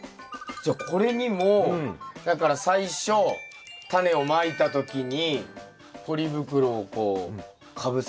じゃあこれにもだから最初タネをまいた時にポリ袋をこうかぶせたじゃないですか。